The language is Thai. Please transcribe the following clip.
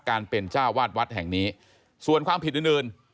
การเป็นเจ้าวาดวัดแห่งนี้ส่วนความผิดอื่นอื่น